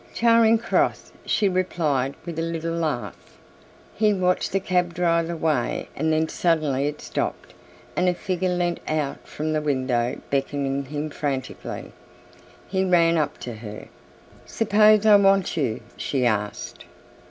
"Charing Cross," she replied, with a little laugh. He watched the cab drive away and then suddenly it stopped and a figure lent out from the window beckoning him frantically. He ran up to her. "Suppose I want you," she asked.